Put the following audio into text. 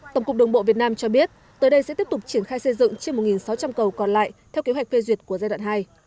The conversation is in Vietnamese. tổng cục đường bộ việt nam cho biết tới đây sẽ tiếp tục triển khai xây dựng trên một sáu trăm linh cầu còn lại theo kế hoạch phê duyệt của giai đoạn hai